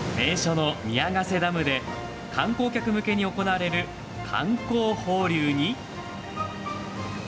名所の宮ヶ瀬ダムで観光客向けに行われる観光放流に。